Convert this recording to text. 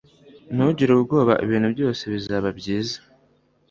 Ntugire ubwoba Ibintu byose bizaba byiza